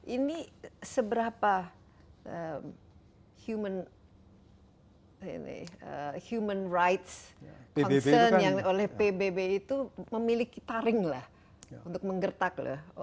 ini seberapa human human rights concern yang oleh pbb itu memiliki taring lah untuk menggertak